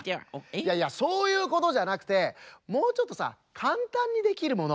いやいやそういうことじゃなくてもうちょっとさかんたんにできるもの。